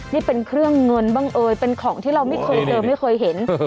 นี่เป็นเครื่องเงินบ้างเอ่ยเป็นของที่เราไม่เคยเจอไม่เคยเห็น